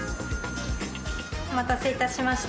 お待たせいたしました。